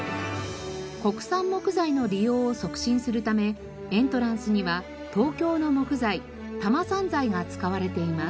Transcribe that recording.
国産木材の利用を促進するためエントランスには東京の木材多摩産材が使われています。